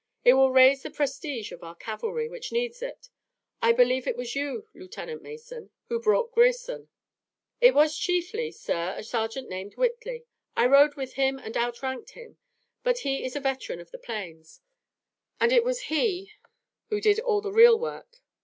It will raise the prestige of our cavalry, which needs it. I believe it was you, Lieutenant Mason, who brought Grierson." "It was chiefly, sir, a sergeant named Whitley. I rode with him and outranked him, but he is a veteran of the plains, and it was he who did the real work."